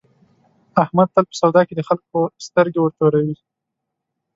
احمد تل په سودا کې د خلکو سترګې ورتوروي.